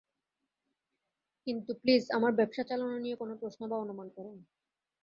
কিন্তু প্লিজ আমার ব্যবসা চালানো নিয়ে কোনো প্রশ্ন বা অনুমান করো না।